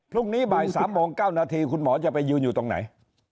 พรุ่งนี้บ่าย๓โมง๙นาทีคุณหมอจะไปยืนอยู่ตรงไหน